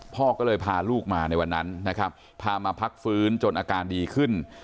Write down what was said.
พ่อก็เลยพาลูกมาในวันนั้นนะครับพามาพักฟื้นจนอาการดีขึ้น